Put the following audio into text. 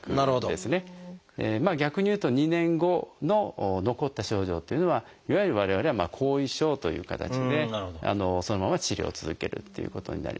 逆にいうと２年後の残った症状というのはいわゆる我々は後遺症という形でそのまま治療を続けるっていうことになりますでしょうかね。